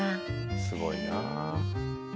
すごいなあ。